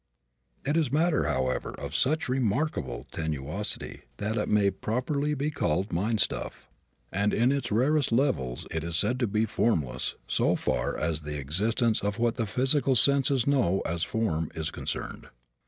It is matter, however, of such remarkable tenuosity that it may properly be called mind stuff, and in its rarest levels it is said to be "formless" so far as the existence of what the physical senses know as form is concerned.